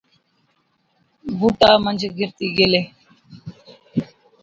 بُوٽا منجھ گھِرتِي گيلي۔